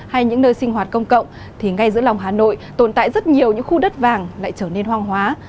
hay những nơi sinh hoạt công cộng thì ngay giữa lòng hà nội tồn tại rất nhiều những khu đất vàng lại trở nên hoang hóa